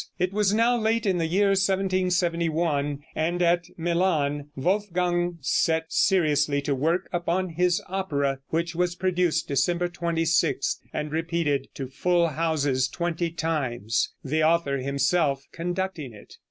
It was now late in the year 1771, and at Milan Wolfgang set seriously to work upon his opera, which was produced December 26 and repeated to full houses twenty times, the author himself conducting it.